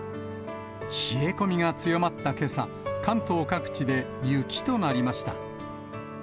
冷え込みが強まったけさ、関東各地で雪となりました。